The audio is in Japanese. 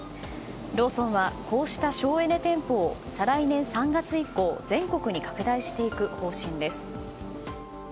ローソンはこうした省エネ店舗を再来年３月以降全国に拡大していく方針です。